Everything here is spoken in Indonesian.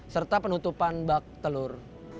serta penutupan bak telur